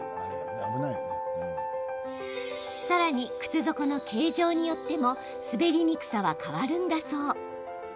さらに、靴底の形状によっても滑りにくさは変わるんだそう。